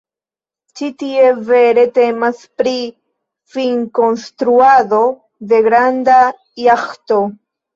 Ĉi tie vere temas pri finkonstruado de granda jaĥto.